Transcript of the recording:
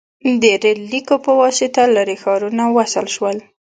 • د ریل لیکو په واسطه لرې ښارونه وصل شول.